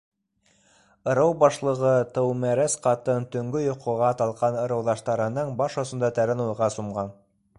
Ырыу башлығы, Тыумәрәс ҡатын, төнгө йоҡоға талған ырыуҙаштарының баш осонда тәрән уйға сумған.